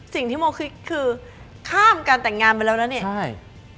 สิ่งที่โมคิดคือข้ามการแต่งงานไปแล้วนะเนี่ยใช่